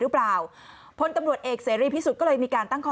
หรือเปล่าพลตำรวดเอกเศรีย์พิสุตรก็เลยมีการตั้งคอ